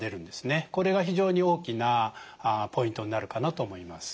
これが非常に大きなポイントになるかなと思います。